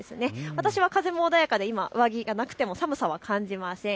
私は風も穏やかで今上着がなくても寒さは感じません。